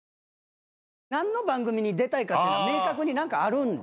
何の番組に出たいかって明確に何かある？